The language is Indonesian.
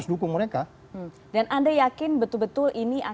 ada perbedaan tentang akan keluar dari kcb